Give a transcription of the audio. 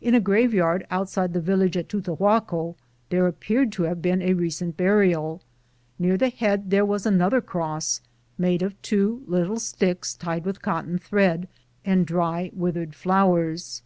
1 In a graveyard outside the village at Tutahaco there ap peared to have been a recent burial. Near the head there was another cross made of two little sticks tied with cotton thread, and dry withered flowers.